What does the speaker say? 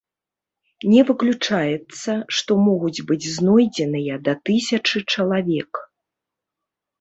Не выключаецца, што могуць быць знойдзеныя да тысячы чалавек.